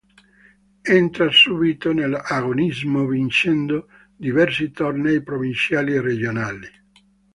Entra subito nell'agonismo vincendo diversi tornei provinciali e regionali.